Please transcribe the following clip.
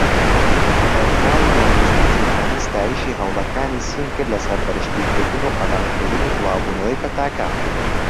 ڕێخراوی تەندروستی جیهانی ستایشی هەوڵەکانی سین کرد لە سەرپەرشتی کردن و قەدەغەکردنی بڵاوبوونەوەی پەتاکە.